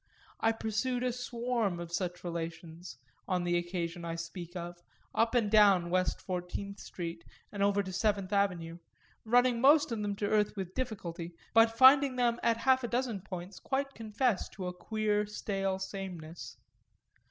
I pursued a swarm of such relations, on the occasion I speak of, up and down West Fourteenth Street and over to Seventh Avenue, running most of them to earth with difficulty, but finding them at half a dozen points quite confess to a queer stale sameness.